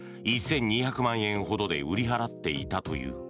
１２００万円ほどで売り払っていたという。